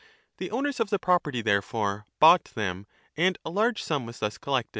The owners of the property there fore bought them, and a large sum was thus collected.